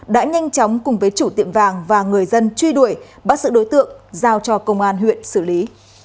đã nhanh chóng cùng với chủ tiệm vàng và người dân truy đuổi bắt sự đối tượng giao cho công an huyện xử lý